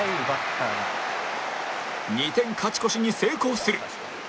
２点勝ち越しに成功する